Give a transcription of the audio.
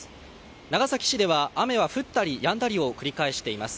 長崎市では雨は降ったりやんだりを繰り返しています。